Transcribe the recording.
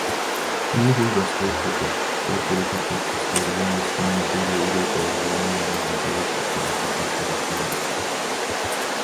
Muu hulgas ta ütleb, et TÜ pakkus teile võimalust minna tööle ülikooli ja jäi mulje, nagu te oleksite selle pakkumise ära põlanud.